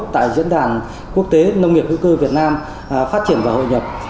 tại diễn đàn quốc tế nông nghiệp hữu cơ việt nam phát triển và hội nhập